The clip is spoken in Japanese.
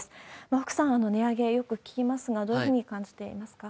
福さん、値上げ、よく聞きますが、どういうふうに感じていますか？